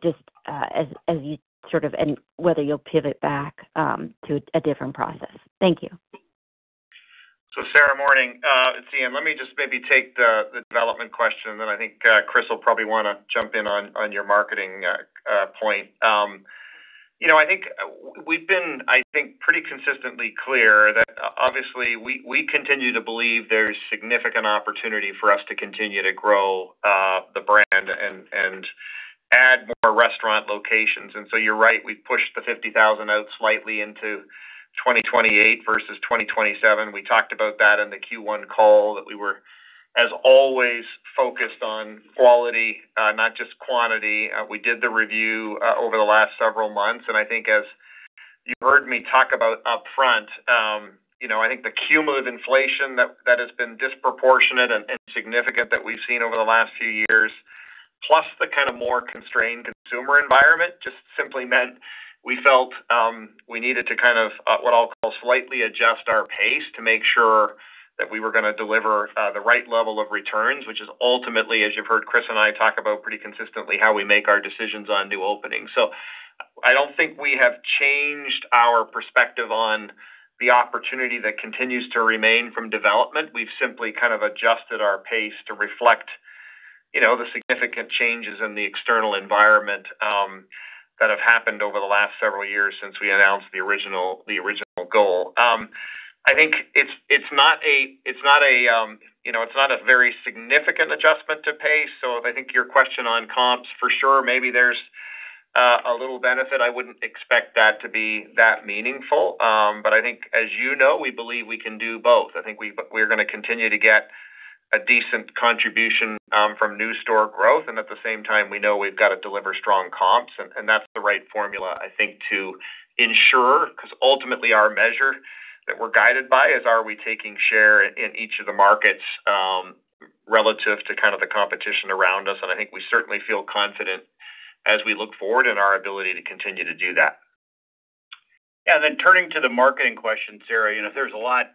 just as you sort of, and whether you'll pivot back to a different process? Thank you. Sara, morning. It's Ian. Let me just maybe take the development question, then I think Chris will probably want to jump in on your marketing point. I think we've been pretty consistently clear that obviously we continue to believe there's significant opportunity for us to continue to grow the brand and add more restaurant locations. You're right, we've pushed the 50,000 out slightly into 2028 versus 2027. We talked about that in the Q1 call that we were, as always, focused on quality, not just quantity. We did the review over the last several months. I think as you heard me talk about upfront, I think the cumulative inflation that has been disproportionate and significant that we've seen over the last few years, plus the more constrained consumer environment just simply meant we felt we needed to what I'll call slightly adjust our pace to make sure that we were going to deliver the right level of returns, which is ultimately, as you've heard Chris and I talk about pretty consistently, how we make our decisions on new openings. I don't think we have changed our perspective on the opportunity that continues to remain from development. We've simply adjusted our pace to reflect the significant changes in the external environment that have happened over the last several years since we announced the original goal. I think it's not a very significant adjustment to pace. I think your question on comps, for sure, maybe there's a little benefit. I wouldn't expect that to be that meaningful. I think as you know, we believe we can do both. I think we're going to continue to get a decent contribution from new store growth. At the same time, we know we've got to deliver strong comps, and that's the right formula, I think, to ensure, because ultimately our measure that we're guided by is, are we taking share in each of the markets relative to the competition around us? I think we certainly feel confident as we look forward in our ability to continue to do that. Turning to the marketing question, Sara, there's a lot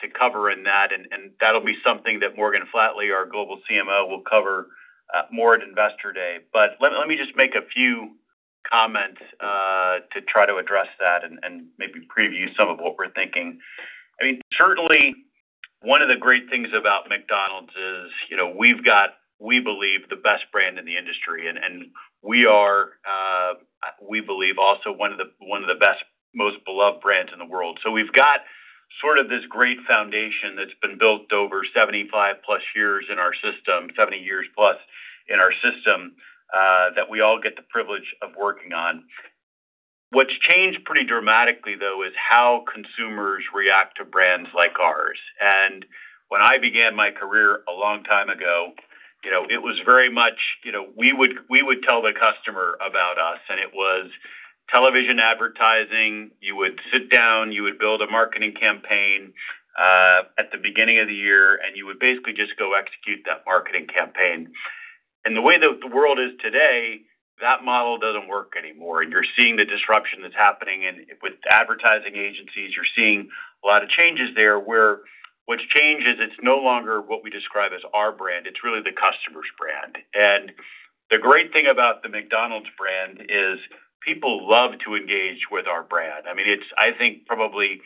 to cover in that, and that'll be something that Morgan Flatley, our global CMO, will cover more at Investor Day. Let me just make a few comments to try to address that and maybe preview some of what we're thinking. Certainly, one of the great things about McDonald's is we've got, we believe, the best brand in the industry, and we are, we believe, also one of the best, most beloved brands in the world. We've got sort of this great foundation that's been built over 75+ years in our system, 70+ years in our system, that we all get the privilege of working on. What's changed pretty dramatically, though, is how consumers react to brands like ours. When I began my career a long time ago, we would tell the customer about us, and it was television advertising. You would sit down, you would build a marketing campaign at the beginning of the year, you would basically just go execute that marketing campaign. The way the world is today, that model doesn't work anymore. You're seeing the disruption that's happening with advertising agencies. You're seeing a lot of changes there, where what's changed is it's no longer what we describe as our brand. It's really the customer's brand. The great thing about the McDonald's brand is people love to engage with our brand. It's, I think, probably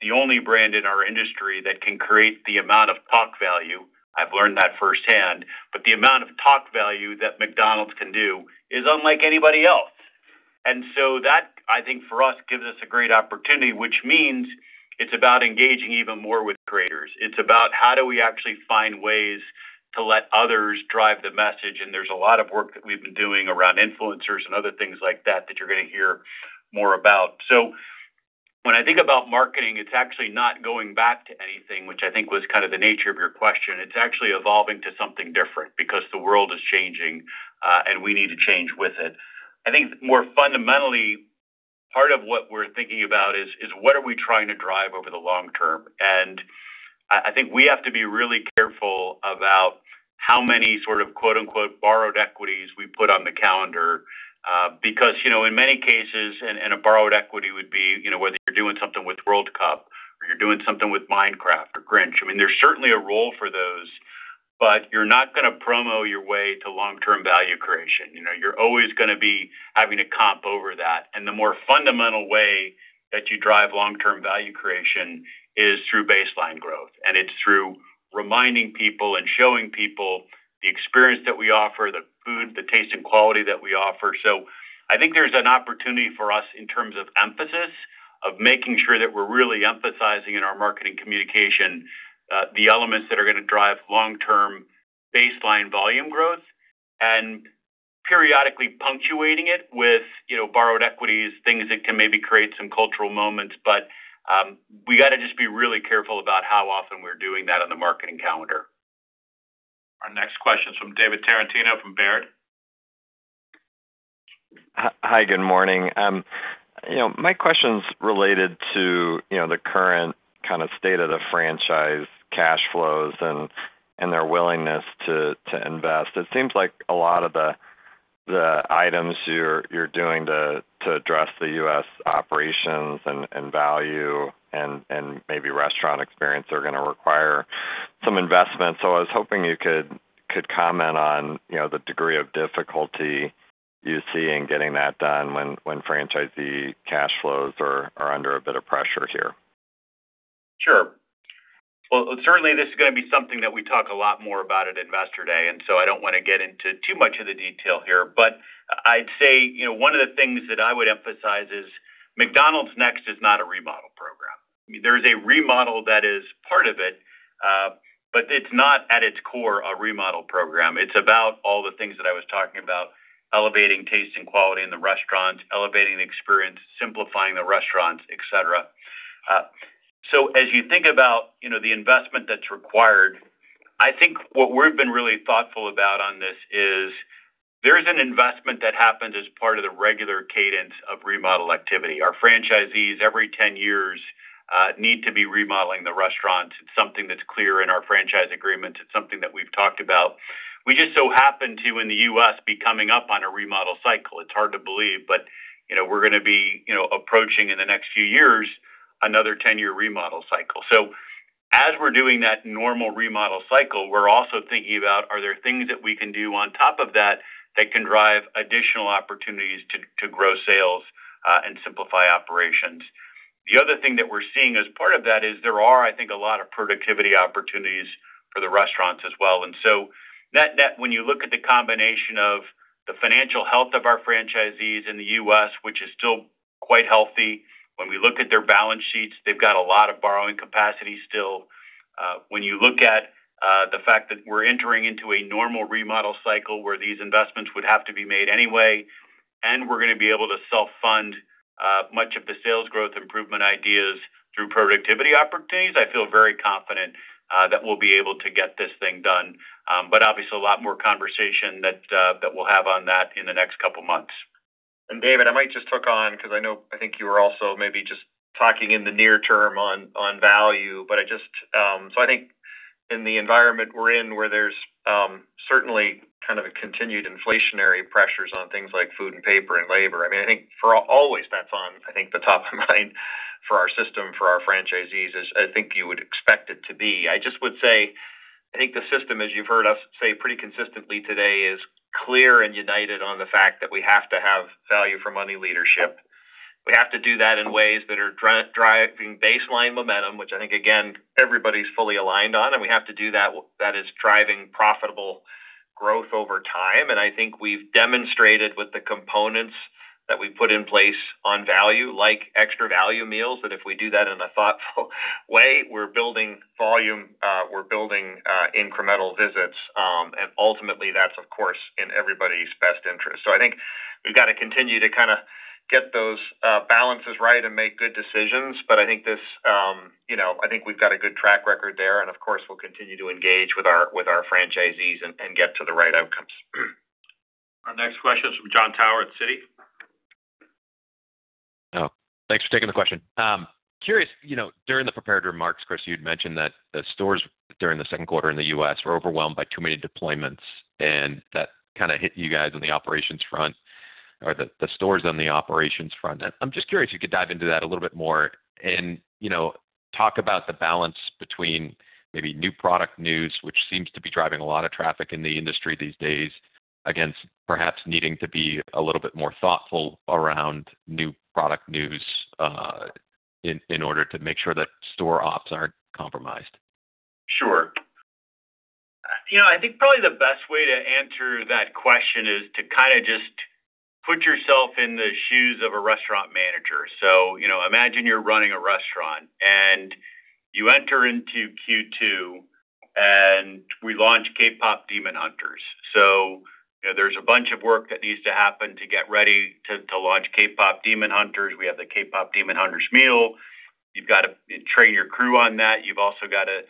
the only brand in our industry that can create the amount of talk value. I've learned that firsthand. The amount of talk value that McDonald's can do is unlike anybody else. That, I think, for us, gives us a great opportunity, which means it's about engaging even more with creators. It's about how do we actually find ways to let others drive the message, there's a lot of work that we've been doing around influencers and other things like that that you're going to hear more about. When I think about marketing, it's actually not going back to anything, which I think was kind of the nature of your question. It's actually evolving to something different because the world is changing, we need to change with it. I think more fundamentally, part of what we're thinking about is what are we trying to drive over the long term. I think we have to be really careful about how many sort of "borrowed equities" we put on the calendar. In many cases, a borrowed equity would be whether you're doing something with World Cup or you're doing something with Minecraft or Grinch. There's certainly a role for those, you're not going to promo your way to long-term value creation. You're always going to be having to comp over that. The more fundamental way that you drive long-term value creation is through baseline growth, it's through reminding people and showing people the experience that we offer, the food, the taste and quality that we offer. I think there's an opportunity for us in terms of emphasis, of making sure that we're really emphasizing in our marketing communication the elements that are going to drive long-term baseline volume growth. Periodically punctuating it with borrowed equities, things that can maybe create some cultural moments. We got to just be really careful about how often we're doing that on the marketing calendar. Our next question is from David Tarantino from Baird. Hi, good morning. My question's related to the current state of the franchise cash flows and their willingness to invest. It seems like a lot of the items you're doing to address the U.S. operations and value and maybe restaurant experience are going to require some investment. I was hoping you could comment on the degree of difficulty you see in getting that done when franchisee cash flows are under a bit of pressure here. Sure. Certainly, this is going to be something that we talk a lot more about at Investor Day. I don't want to get into too much of the detail here. I'd say one of the things that I would emphasize is McDonald's NEXT is not a remodel program. There is a remodel that is part of it, but it's not at its core a remodel program. It's about all the things that I was talking about, elevating taste and quality in the restaurants, elevating the experience, simplifying the restaurants, et cetera. As you think about the investment that's required, I think what we've been really thoughtful about on this is there is an investment that happens as part of the regular cadence of remodel activity. Our franchisees, every 10 years, need to be remodeling the restaurants. It's something that's clear in our franchise agreement. It's something that we've talked about. We just so happen to, in the U.S., be coming up on a remodel cycle. It's hard to believe, but we're going to be approaching, in the next few years, another 10-year remodel cycle. As we're doing that normal remodel cycle, we're also thinking about are there things that we can do on top of that that can drive additional opportunities to grow sales and simplify operations? The other thing that we're seeing as part of that is there are, I think, a lot of productivity opportunities for the restaurants as well. Net, when you look at the combination of the financial health of our franchisees in the U.S., which is still quite healthy. When we look at their balance sheets, they've got a lot of borrowing capacity still. When you look at the fact that we're entering into a normal remodel cycle where these investments would have to be made anyway, and we're going to be able to self-fund much of the sales growth improvement ideas through productivity opportunities, I feel very confident that we'll be able to get this thing done. Obviously, a lot more conversation that we'll have on that in the next couple of months. David, I might just hook on because I know, I think you were also maybe just talking in the near term on value. I think in the environment we're in, where there's certainly a continued inflationary pressures on things like food and paper and labor. I think for always, that's on, I think the top of mind for our system, for our franchisees, as I think you would expect it to be. I just would say, I think the system, as you've heard us say pretty consistently today, is clear and united on the fact that we have to have value for money leadership. We have to do that in ways that are driving baseline momentum, which I think, again, everybody's fully aligned on, and we have to do that. That is driving profitable growth over time, and I think we've demonstrated with the components that we put in place on value, like Extra Value Meals, that if we do that in a thoughtful way, we're building volume Incremental visits, ultimately that's, of course, in everybody's best interest. I think we've got to continue to get those balances right and make good decisions. I think we've got a good track record there, and of course, we'll continue to engage with our franchisees and get to the right outcomes. Our next question is from Jon Tower at Citi. Thanks for taking the question. Curious, during the prepared remarks, Chris, you'd mentioned that the stores during the second quarter in the U.S. were overwhelmed by too many deployments, that hit you guys on the operations front or the stores on the operations front. I'm just curious if you could dive into that a little bit more and talk about the balance between maybe new product news, which seems to be driving a lot of traffic in the industry these days, against perhaps needing to be a little bit more thoughtful around new product news in order to make sure that store ops aren't compromised. Sure. I think probably the best way to answer that question is to just put yourself in the shoes of a restaurant manager. Imagine you're running a restaurant, you enter into Q2, we launch K-Pop Demon Hunters. There's a bunch of work that needs to happen to get ready to launch K-Pop Demon Hunters. We have the K-Pop Demon Hunters meal. You've got to train your crew on that. You've also got to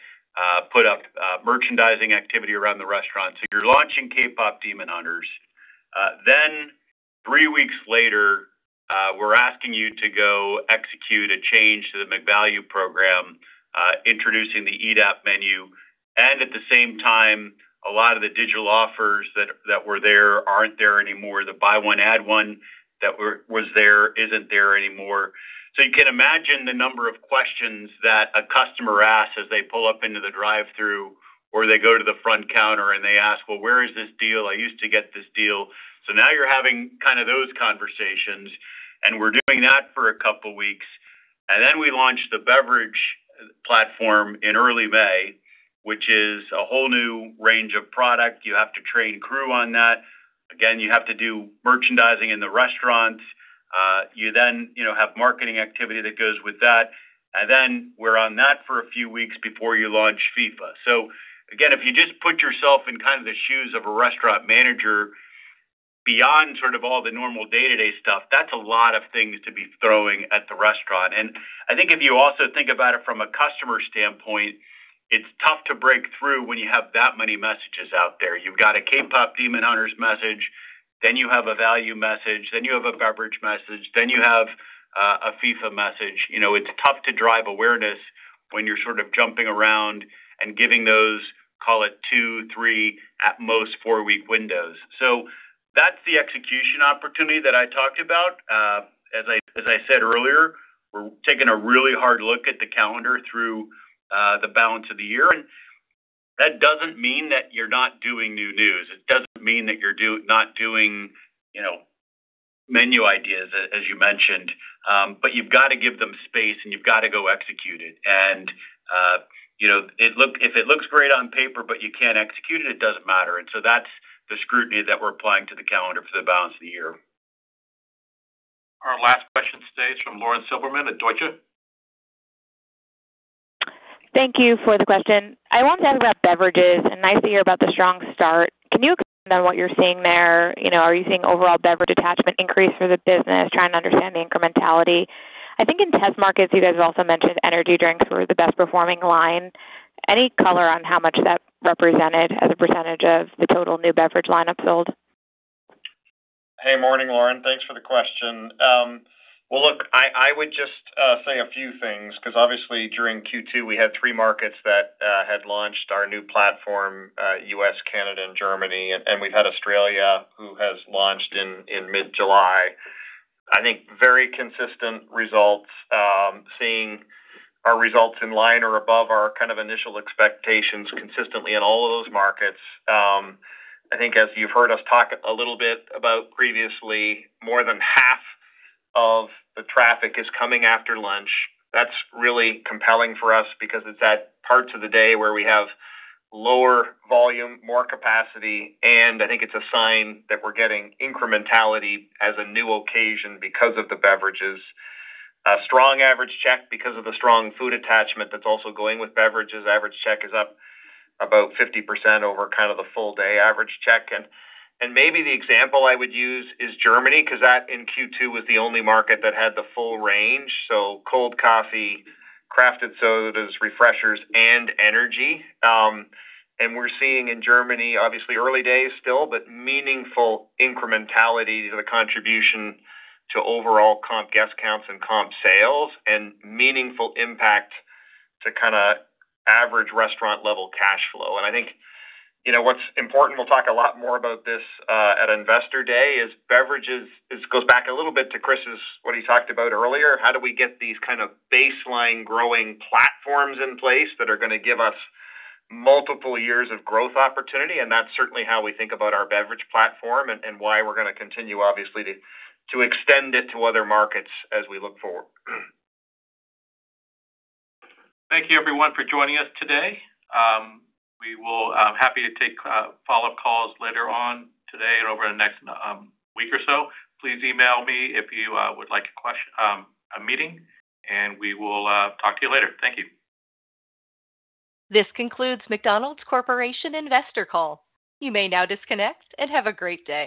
put up merchandising activity around the restaurant. You're launching K-Pop Demon Hunters. Three weeks later, we're asking you to go execute a change to the McValue program, introducing the eat-out menu. At the same time, a lot of the digital offers that were there aren't there anymore. The Buy One, Add One that was there isn't there anymore. You can imagine the number of questions that a customer asks as they pull up into the drive-through, or they go to the front counter, and they ask, "Well, where is this deal? I used to get this deal." Now you're having those conversations, and we're doing that for a couple of weeks. Then we launch the beverage platform in early May, which is a whole new range of product. You have to train crew on that. Again, you have to do merchandising in the restaurant. You then have marketing activity that goes with that. Then we're on that for a few weeks before you launch FIFA. Again, if you just put yourself in the shoes of a restaurant manager, beyond all the normal day-to-day stuff, that's a lot of things to be throwing at the restaurant. I think if you also think about it from a customer standpoint, it's tough to break through when you have that many messages out there. You've got a K-Pop Demon Hunters message, then you have a value message, then you have a beverage message, then you have a FIFA message. It's tough to drive awareness when you're jumping around and giving those, call it two, three, at most, four-week windows. That's the execution opportunity that I talked about. As I said earlier, we're taking a really hard look at the calendar through the balance of the year. That doesn't mean that you're not doing new news. It doesn't mean that you're not doing menu ideas, as you mentioned. You've got to give them space, and you've got to go execute it. If it looks great on paper, but you can't execute it doesn't matter. That's the scrutiny that we're applying to the calendar for the balance of the year. Our last question today is from Lauren Silberman at Deutsche. Thank you for the question. I wanted to ask about beverages, and nice to hear about the strong start. Can you expand on what you're seeing there? Are you seeing overall beverage attachment increase for the business? Trying to understand the incrementality. I think in test markets, you guys have also mentioned energy drinks were the best-performing line. Any color on how much that represented as a percentage of the total new beverage lineup sold? Hey, morning, Lauren. Thanks for the question. Well, look, I would just say a few things because obviously, during Q2, we had three markets that had launched our new platform, U.S., Canada, and Germany. We've had Australia, who has launched in mid-July. I think very consistent results, seeing our results in line or above our initial expectations consistently in all of those markets. I think as you've heard us talk a little bit about previously, more than half of the traffic is coming after lunch. That's really compelling for us because it's at parts of the day where we have lower volume, more capacity, and I think it's a sign that we're getting incrementality as a new occasion because of the beverages. A strong average check because of the strong food attachment that's also going with beverages. Average check is up about 50% over the full-day average check. Maybe the example I would use is Germany because that in Q2 was the only market that had the full range. Cold coffee, crafted sodas, refreshers, and energy. We're seeing in Germany, obviously early days still, but meaningful incrementality to the contribution to overall comp guest counts and comp sales and meaningful impact to average restaurant-level cash flow. I think what's important, we'll talk a lot more about this at Investor Day, is beverages. This goes back a little bit to Chris, what he talked about earlier. How do we get these baseline growing platforms in place that are going to give us multiple years of growth opportunity? That's certainly how we think about our beverage platform and why we're going to continue, obviously, to extend it to other markets as we look forward. Thank you, everyone, for joining us today. I'm happy to take follow-up calls later on today and over the next week or so. Please email me if you would like a meeting, and we will talk to you later. Thank you. This concludes McDonald's Corporation investor call. You may now disconnect and have a great day.